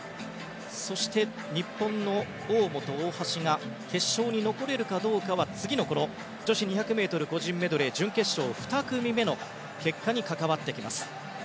日本の大本、大橋が決勝に残れるかどうかは次の女子２００ｍ個人メドレー準決勝２組目の結果に関わってきます。